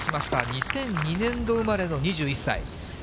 ２００２年度生まれの２１歳。